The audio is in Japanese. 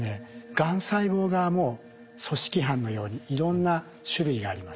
がん細胞側も組織犯のようにいろんな種類があります。